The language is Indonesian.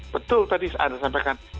betul tadi anda sampaikan